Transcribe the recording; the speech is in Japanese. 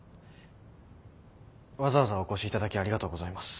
わざわざお越しいただきありがとうございます。